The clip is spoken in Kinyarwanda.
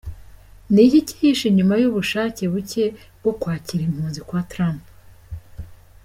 Ni iki cyihishe inyuma y’ubushake buke bwo kwakira impunzi bwa Trump?.